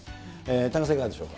田中さん、いかがでしょう。